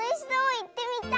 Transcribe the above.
いってみたい！